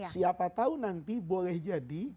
siapa tahu nanti boleh jadi